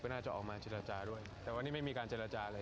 น่าจะออกมาเจรจาด้วยแต่วันนี้ไม่มีการเจรจาอะไร